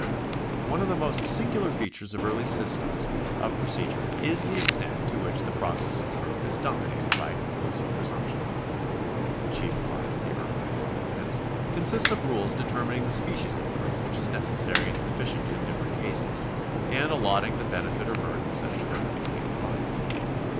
^ One of the most singular features in early systems of procedure is the extent to which the process of proof is dominated by conclusive presumptions. The chief part of the early law of evidence consists of rules determining the species of proof which is necessary and sufficient in different cases, and allotting the benefit or burden of such proof between the parties.